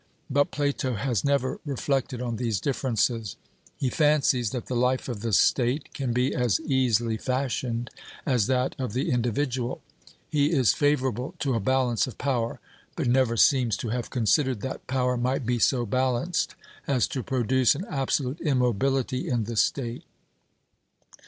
But Plato has never reflected on these differences. He fancies that the life of the state can be as easily fashioned as that of the individual. He is favourable to a balance of power, but never seems to have considered that power might be so balanced as to produce an absolute immobility in the state.